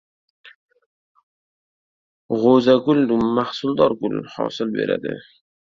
G‘o‘zagul mahsuldor gul — hosil beradi!